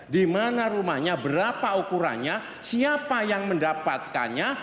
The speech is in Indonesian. di mana rumahnya berapa ukurannya siapa yang mendapatkannya